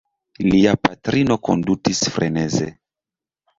Lia patrino kondutis freneze.